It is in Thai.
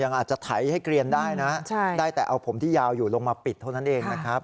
อาจจะไถให้เกลียนได้นะได้แต่เอาผมที่ยาวอยู่ลงมาปิดเท่านั้นเองนะครับ